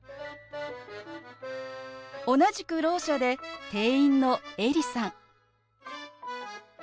同じくろう者で店員の映里さん。